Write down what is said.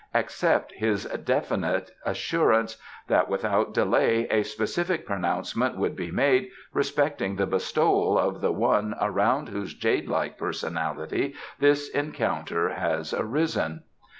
Accept his definite assurance that without delay a specific pronouncement would be made respecting the bestowal of the one around whose jade like personality this encounter has arisen."